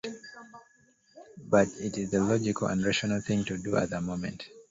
But it is the logical and rational thing to do at that moment.